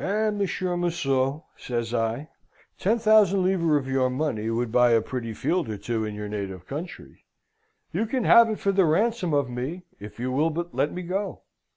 "'Eh, Monsieur Museau!' says I, 'ten thousand livres of your money would buy a pretty field or two in your native country? You can have it for the ransom of me, if you will but let me go.